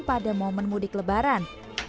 pada momen mudik lebaran